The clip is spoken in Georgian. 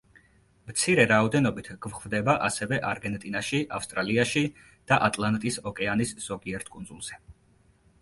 მცირე რაოდენობით გვხვდება ასევე არგენტინაში, ავსტრალიაში და ატლანტის ოკეანის ზოგიერთ კუნძულზე.